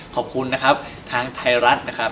ขอบคุณนะครับทางไทยรัฐนะครับ